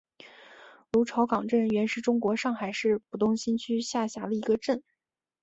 芦潮港镇原是中国上海市浦东新区下辖的一个镇。